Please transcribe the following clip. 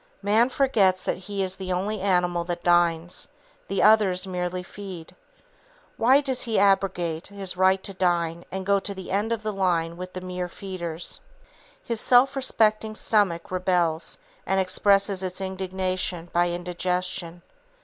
Man forgets that he is the only animal that dines; the others merely feed. Why does he abrogate his right to dine and go to the end of the line with the mere feeders? His self respecting stomach rebels, and expresses its indignation by indigestion.